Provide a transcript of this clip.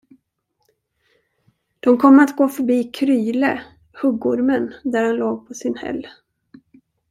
De kom att gå förbi Kryle, huggormen, där han låg på sin häll.